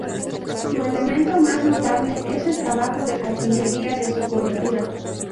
Su elemento más notable es el trabajo de carpintería de su cobertura.